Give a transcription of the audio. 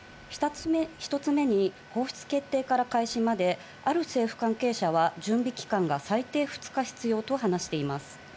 １つ目に放出決定から開始まで、ある政府関係者は、準備期間が最低２日必要と話しています。